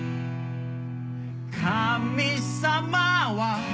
神様は